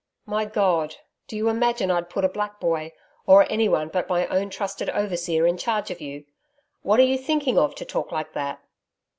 'My God! do you imagine I'd put a black boy or anyone but my own trusted overseer in charge of you! What are you thinking of to talk like that?'